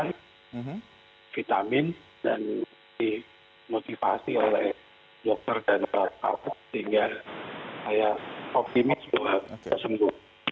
sehingga saya optimis untuk sembuh